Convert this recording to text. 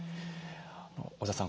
太田さん